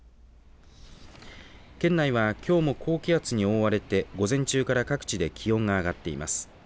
県内はきょうも高気圧に覆われて午前中から各地で気温が上がっています。